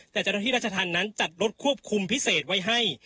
แต่เจ้าหน้าที่ราชธรรมนั้นจัดรถควบคุมพิเศษไว้ให้